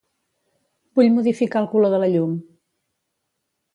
Vull modificar el color de la llum.